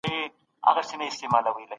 تحول لرو.